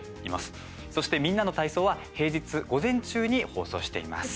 そして「みんなの体操」は平日、午前中に放送しています。